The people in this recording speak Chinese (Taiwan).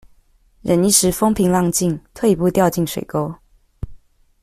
忍一時風平浪靜，退一步掉進水溝